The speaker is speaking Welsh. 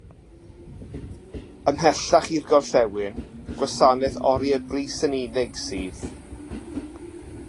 Ymhellach i'r gorllewin, gwasanaeth oriau brys yn unig sydd.